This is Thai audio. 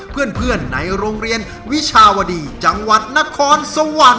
เพื่อนในโรงเรียนวิชาวดีจังหวัดนครสวรรค์